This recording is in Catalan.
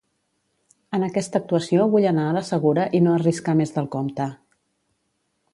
En aquesta actuació vull anar a la segura i no arriscar més del compte.